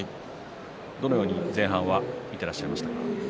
どのように前半は見ていらっしゃいましたか。